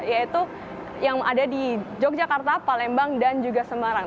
yaitu yang ada di yogyakarta palembang dan juga semarang